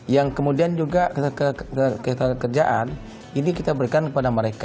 yang kemudian juga ketenaga kerjaan ini kita berikan kepada mereka